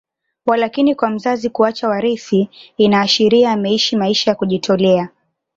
Walakini kwa mzazi kuacha warithi inashiria ameishi maisha ya kujitolea